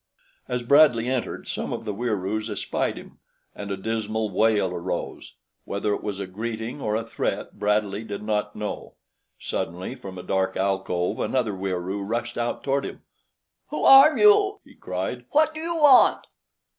As Bradley entered, some of the Wieroos espied him, and a dismal wail arose. Whether it was a greeting or a threat, Bradley did not know. Suddenly from a dark alcove another Wieroo rushed out toward him. "Who are you?" he cried. "What do you want?"